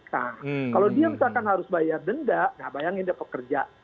nah kalau dia misalkan harus bayar denda nah bayangin dia pekerja